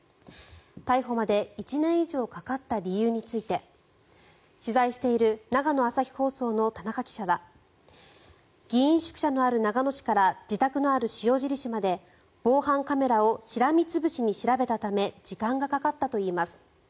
逮捕まで１年以上かかった理由について取材している長野朝日放送の田中記者は議員宿舎のある長野市から自宅のある塩尻市まで防犯カメラをしらみ潰しに調べたため時間がかかったといいます。